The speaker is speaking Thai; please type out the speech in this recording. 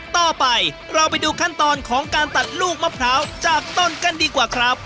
ต่อไปเราไปดูขั้นตอนของการตัดลูกมะพร้าวจากต้นกันดีกว่าครับ